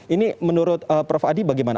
ini menurut prof adi bagaimana